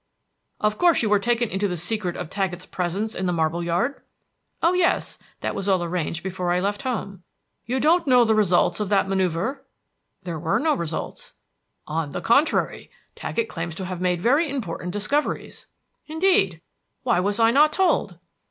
Of course you were taken into the secret of Taggett's presence in the marble yard?" "Oh, yes; that was all arranged before I left home." "You don't know the results of that manoeuvre?" "There were no results." "On the contrary, Taggett claims to have made very important discoveries." "Indeed! Why was I not told!"